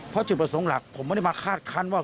เพราะจุดประสงค์หลักผมไม่ได้มาคาดคันว่า